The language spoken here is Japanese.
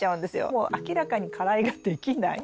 もう明らかに花蕾ができない。